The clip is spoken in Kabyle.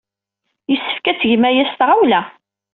Yessefk ad tgem aya s tɣawla.